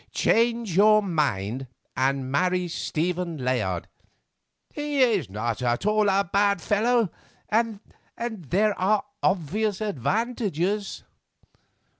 "Change your mind and marry Stephen Layard. He is not at all a bad fellow, and—there are obvious advantages."